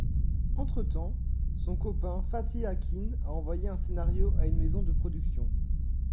Entretemps, son copain Fatih Akin a envoyé un scénario à une maison de production.